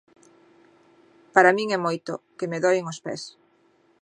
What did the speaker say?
Para min é moito, que me doen os pés.